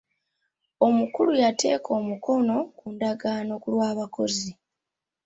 Omukulu yateeka omukono ku ndagaano ku lw'abakozi.